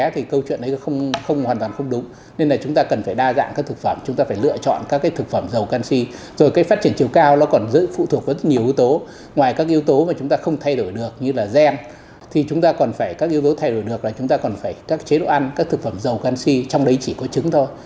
thì chúng ta còn phải các yếu tố thay đổi được là chúng ta còn phải các chế độ ăn các thực phẩm dầu canxi trong đấy chỉ có chứng thôi